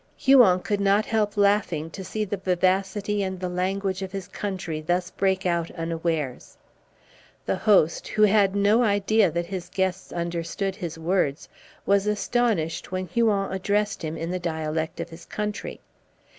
Huon could not help laughing to see the vivacity and the language of his country thus break out unawares. The host, who had no idea that his guests understood his words, was astonished when Huon addressed him in the dialect of his country.